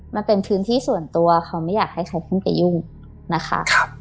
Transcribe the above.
มันเป็นพื้นที่ส่วนตัวเขาไม่อยากให้ใครขึ้นไปยุ่งนะคะ